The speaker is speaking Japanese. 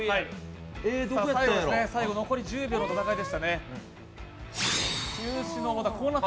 最後残り１０秒の戦いでしたね。